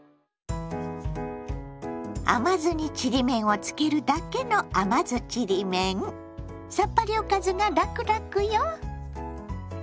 甘酢にちりめんをつけるだけのさっぱりおかずがラクラクよ。